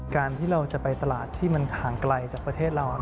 การที่เราจะไปตลาดที่มันห่างไกลจากประเทศเรา